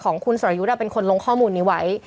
ของคุณสรยุทธ์เป็นคนลงข้อมูลนี้ไว้